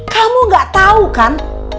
kamu gak tau kan